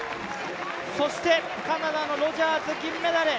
そしてカナダのロジャーズ、銀メダル。